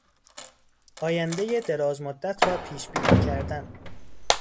آیندهی دراز مدت را پیشبینی کردن